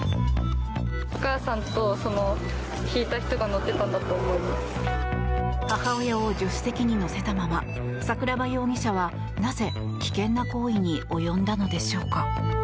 母親を助手席に乗せたまま桜庭容疑者はなぜ危険な行為に及んだのでしょうか。